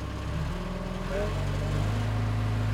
Wêr moat it mei dy hinne?